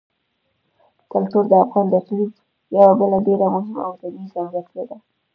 کلتور د افغانستان د اقلیم یوه بله ډېره مهمه او طبیعي ځانګړتیا ده.